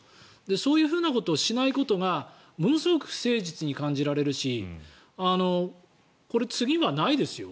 そういうふうなことをしないことがものすごく不誠実に感じられるしこれ、次はないですよ。